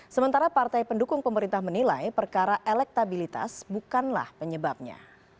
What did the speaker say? sementara partai pendukung pemerintah menilai perkara elektabilitas bukanlah penyebabnya